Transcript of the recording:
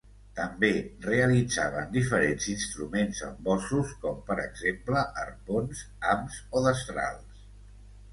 També realitzaven diferents instruments amb ossos com per exemple arpons, hams o destrals.